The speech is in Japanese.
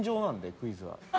クイズは。